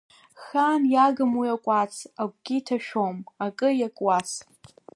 Хаан иагым уи акәац, агәгьы иҭашәом, акы иакуац.